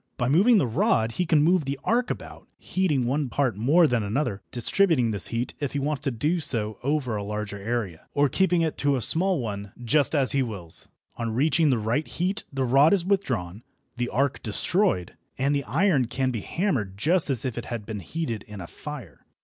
By moving the rod he can move the arc about, heating one part more than another, distributing his heat if he wants to do so over a larger area, or keeping it to a small one, just as he wills. On reaching the right heat the rod is withdrawn, the arc destroyed, and the iron can be hammered just as if it had been heated in a fire.